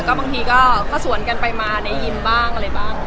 บางทีก็สวนกันไปมาได้ยิ้มบ้างอะไรบ้าง